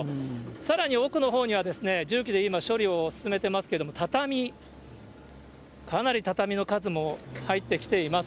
さらに奥のほうには、重機で今、処理を進めていますけれども、畳、かなり畳の数も入ってきています。